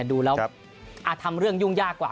ดูแล้วทำเรื่องยุ่งยากกว่า